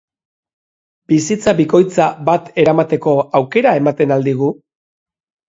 Bizitza bikotza bat eramateko aukera ematen al digu?